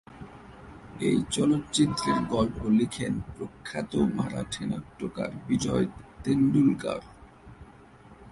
এই চলচ্চিত্রের গল্প লিখেন প্রখ্যাত মারাঠি নাট্যকার বিজয় তেন্ডুলকর।